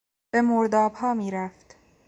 به مردابها میرفت.